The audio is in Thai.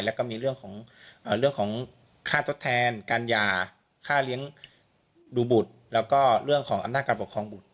แล้วก็มีเรื่องของค่าทดแทนการหย่าค่าเลี้ยงดูบุตรแล้วก็เรื่องของอำนาจการปกครองบุตร